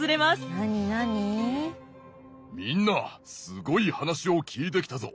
みんなすごい話を聞いてきたぞ。